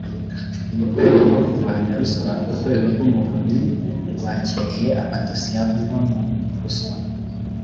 mu rwego rwo kurwanya ruswa urwego rw umuvunyi rwakiriye amadosiye avugwamo ruswa